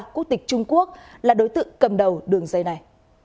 quốc tịch trung quốc là đối tượng cầm đầu đường dây này